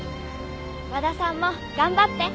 和田さんも頑張って。